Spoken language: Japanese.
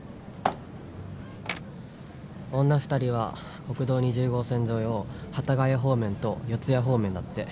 女２人は国道２０号線沿いを幡ヶ谷方面と四谷方面だって。